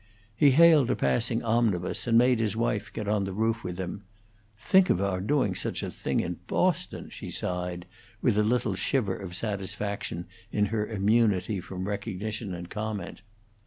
He hailed a passing omnibus, and made his wife get on the roof with him. "Think of our doing such a thing in Boston!" she sighed, with a little shiver of satisfaction in her immunity from recognition and comment.